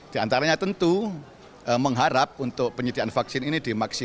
di antaranya tentu mengharap untuk penyediaan vaksin ini dimaksimal